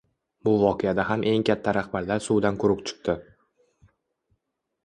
Bu voqeada ham eng katta rahbarlar suvdan quruq chiqdi